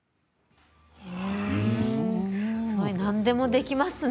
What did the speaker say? すごい、何でもできますね。